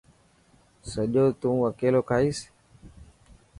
سڄو تون اڪيلو کائيس.